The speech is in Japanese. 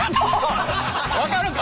分かるか？